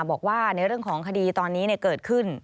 บอกว่าในเรื่องของคดีตอนนี้เกิดขึ้น